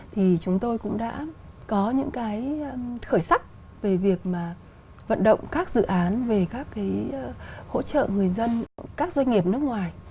thì chúng tôi cũng đã có những cái khởi sắc về việc mà vận động các dự án về các cái hỗ trợ người dân các doanh nghiệp nước ngoài